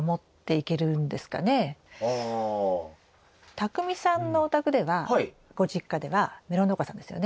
たくみさんのお宅ではご実家ではメロン農家さんですよね。